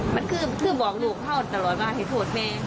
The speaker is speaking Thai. มันคือบอกลูกเขาตลอดว่าให้โทษแม่